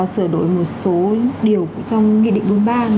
sửa đổi một số điều trong nghị định bốn mươi ba